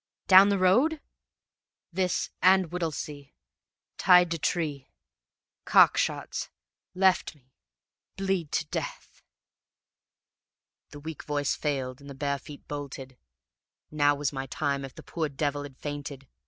"'Down the road?' "'This and Whittlesea tied to tree cock shots left me bleed to death ...'" The weak voice failed, and the bare feet bolted. Now was my time if the poor devil had fainted.